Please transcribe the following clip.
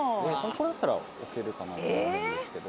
これだったら置けるかなと思うんですけど。